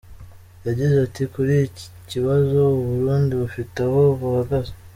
Yagize ati “Kuri iki kibazo, u Burundi bufite aho buhagaze.